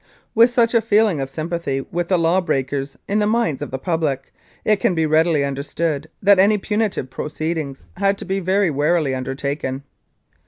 With such a feeling of sympathy with the law breakers in the minds of the public, it can be readily understood that any punitive proceedings had to be very warily undertaken.